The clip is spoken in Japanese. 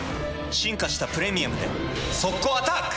進化した「プレミアム」で速攻アタック！